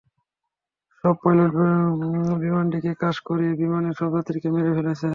সব পাইলট বিমানটিকে ক্র্যাশ করিয়ে বিমানের সব যাত্রীকে মেরে ফেলেছে।